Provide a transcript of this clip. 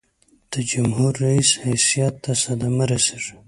د جمهور رئیس حیثیت ته صدمه رسيږي.